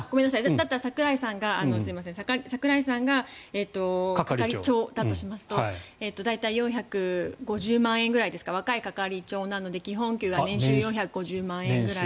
だったら桜井さんが係長だとしますと大体４５０万円ぐらいですか若い係長なので基本給が年収４５０万円ぐらい。